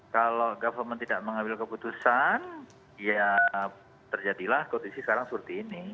kalau government tidak mengambil keputusan ya terjadilah kondisi sekarang seperti ini